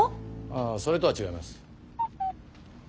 ああそれとは違います。